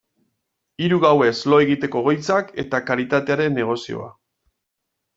Hiru gauez lo egiteko egoitzak eta karitatearen negozioa.